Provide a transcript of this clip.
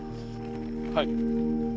はい。